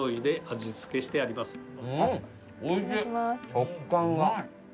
食感が。